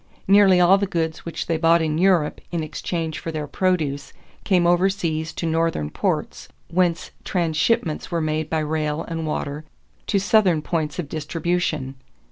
Nearly all the goods which they bought in Europe in exchange for their produce came overseas to Northern ports, whence transshipments were made by rail and water to Southern points of distribution.